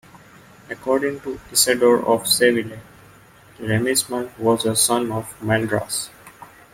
According to Isidore of Seville, Remismund was a son of Maldras.